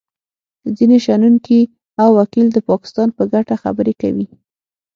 ځینې شنونکي او وکیل د پاکستان په ګټه خبرې کوي